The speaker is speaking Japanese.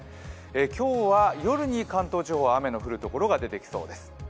今日は夜に関東地方、雨の降る所が出てきそうです。